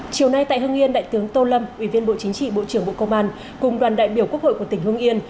chiều nay tại hưng yên đại tướng tô lâm ủy viên bộ chính trị bộ trưởng bộ công an cùng đoàn đại biểu quốc hội của tỉnh hưng yên